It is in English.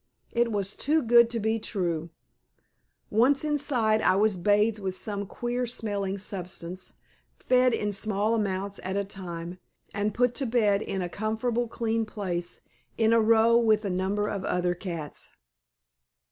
It was too good to be true. Once inside I was bathed with some queer smelling substance, fed in small amounts at a time, and put to bed in a comfortable clean place, in a row with a number of other cats.